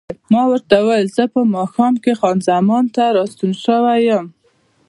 ما ورته وویل: زه په ماښام کې خان زمان ته راستون شوی یم.